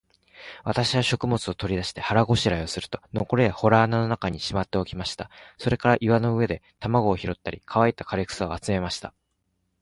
私は食物を取り出して、腹ごしらえをすると、残りは洞穴の中にしまっておきました。それから岩の上で卵を拾ったり、乾いた枯草を集めました。